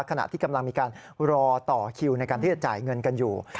ขณะที่กำลังมีการรอต่อคิวในการที่จะจ่ายเงินกันอยู่